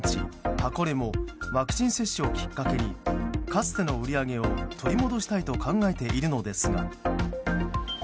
箱根もワクチン接種をきっかけにかつての売り上げを取り戻したいと考えているのですが。